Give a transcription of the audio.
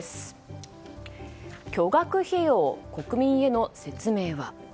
巨額費用、国民への説明は。